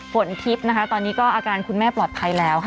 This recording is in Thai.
ผลทิปตอนนี้ก็อาการคุณแม่ปลอดภัยแล้ว